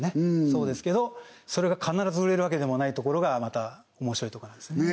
そうですけどそれが必ず売れるわけでもないところがまたおもしろいとこなんですね